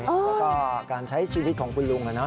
แล้วก็การใช้ชีวิตของคุณลุง